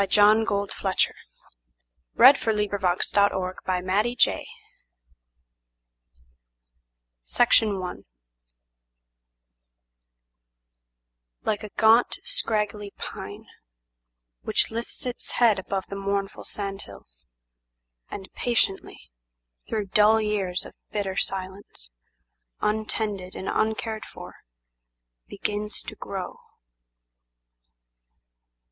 John Gould Fletcher1886–1950 Lincoln ILIKE a gaunt, scraggly pineWhich lifts its head above the mournful sandhills; And patiently, through dull years of bitter silence, Untended and uncared for, begins to grow.